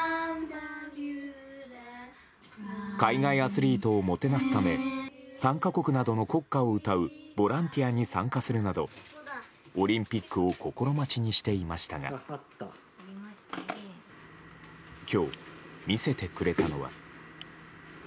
海外アスリートをもてなすため参加国などの国歌を歌うボランティアに参加するなどオリンピックを心待ちにしていましたが今日、見せてくれたのは。